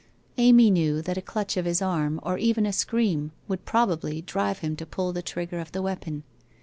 Amy knew that a clutch of his arm or even a scream would probably drive him to pull the trigger of the weapon.